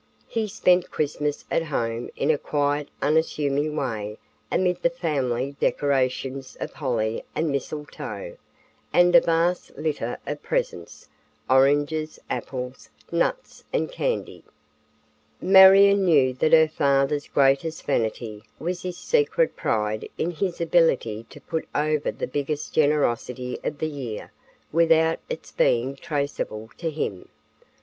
He spent Christmas at home in a quiet unassuming way amid the family decorations of holly and mistletoe, and a vast litter of presents, oranges, apples, nuts, and candy. Marion knew that her father's greatest vanity was his secret pride in his ability to put over the biggest generosity of the year without its being traceable to him.